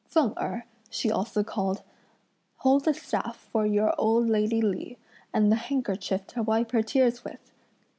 "Feng Erh," she also called, "hold the staff for your old lady Li, and the handkerchief to wipe her tears with!"